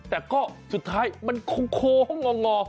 แต่ก็สุดท้ายมันโค้งงอ